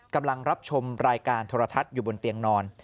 รับชมรายการโทรทัศน์อยู่บนเตียงนอน